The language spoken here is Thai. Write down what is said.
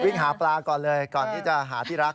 หาปลาก่อนเลยก่อนที่จะหาที่รัก